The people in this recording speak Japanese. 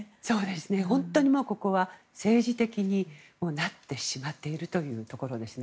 本当にここは政治的になってしまっているというところですね。